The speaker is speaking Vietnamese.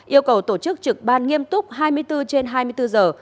yêu cầu tổ chức trực ban nghiêm túc hai mươi bốn trên hai mươi bốn giờ